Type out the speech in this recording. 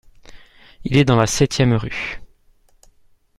Il est dans la septième rue.